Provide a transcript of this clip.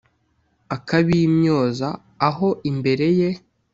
Akabimyoza aho imbere ye